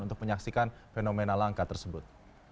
untuk menyaksikan fenomena langka tersebut